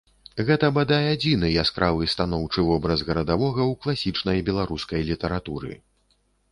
Гэта, бадай, адзіны яскравы станоўчы вобраз гарадавога ў класічнай беларускай літаратуры.